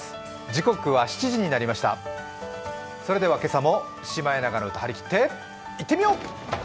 それでは今朝も「シマエナガの歌」張り切っていってみよう！